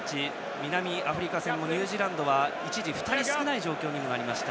南アフリカ戦でもニュージーランドは一時２人少ない状況になりました。